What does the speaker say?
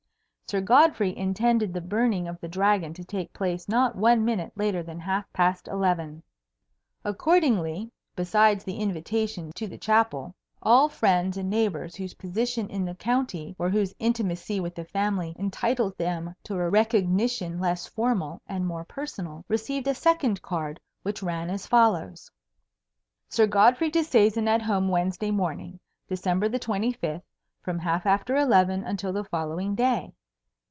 Sir Godfrey intended the burning of the Dragon to take place not one minute later than half past eleven. Accordingly, besides the invitation to the chapel, all friends and neighbours whose position in the county or whose intimacy with the family entitled them to a recognition less formal and more personal, received a second card which ran as follows: "Sir Godfrey Disseisin at home Wednesday morning, December the twenty fifth, from half after eleven until the following day.